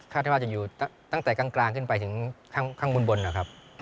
ได้ว่าจะอยู่ตั้งแต่กลางขึ้นไปถึงข้างบนนะครับ